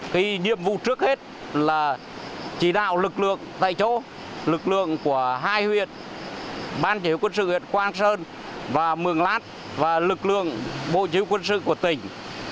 cái nhiệm vụ trước hết là chỉ đạo lực lượng tại chỗ lực lượng của hai huyện ban chỉ huyện quang sơn và mường lát và lực lượng bộ chỉ huyện quân sơn của tỉnh